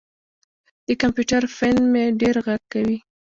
د کمپیوټر فین مې ډېر غږ کوي.